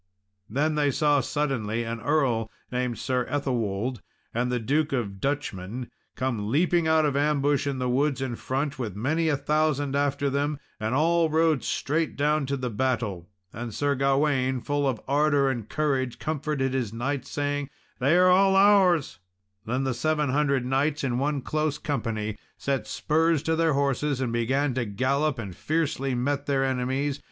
Then they saw suddenly an earl named Sir Ethelwold, and the Duke of Duchmen come leaping out of ambush of the woods in front, with many a thousand after them, and all rode straight down to the battle. And Sir Gawain, full of ardour and courage, comforted his knights, saying, "They all are ours." Then the seven hundred knights, in one close company, set spurs to their horses and began to gallop, and fiercely met their enemies.